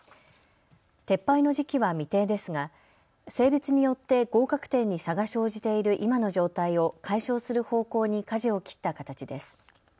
撤廃の時期は未定ですが性別によって合格点に差が生じている今の状態を解消する方向にかじを切った形です。